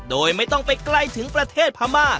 โดยไม่ต้องไปไกลถึงประเทศพม่า